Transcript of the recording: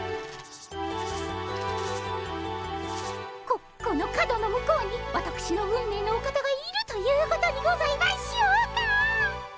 ここの角の向こうにわたくしの運命のお方がいるということにございましょうか。